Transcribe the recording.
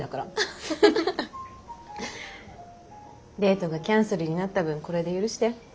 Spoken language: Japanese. デートがキャンセルになった分これで許して。